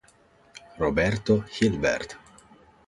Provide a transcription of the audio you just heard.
Roberto Hilbert